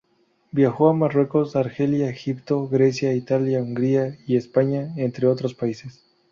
Viajó a Marruecos, Argelia, Egipto, Grecia, Italia, Hungría y España, entre otros países.